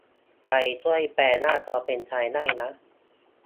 ไปช่วยแปลหน้าจอเป็นไทยได้นะ